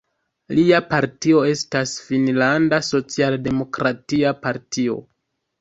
Lia partio estas Finnlanda socialdemokratia partio.